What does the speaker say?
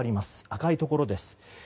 赤いところです。